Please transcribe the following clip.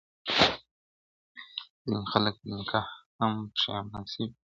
ځيني خلک پر نکاح هم پښيمان سوي دي.